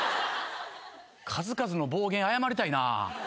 数々の暴言謝りたいなぁ。